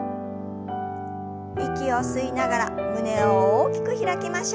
息を吸いながら胸を大きく開きましょう。